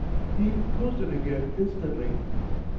He closed it again instantly.